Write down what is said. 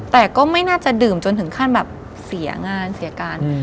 แต่ก็ไม่น่าจะดื่มจนถึงขั้นแบบเสียงานเสียการ